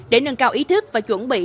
để nâng cao ý thức và chuẩn bị